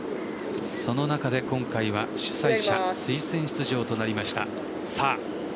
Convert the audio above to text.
その中で今回は主催者推薦出場となりました。